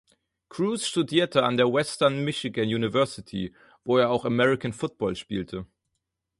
Crews studierte an der Western Michigan University, wo er auch American Football spielte.